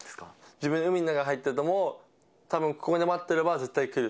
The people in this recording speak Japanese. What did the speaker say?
自分が海の中に入ってても、たぶんここで待ってれば絶対来る。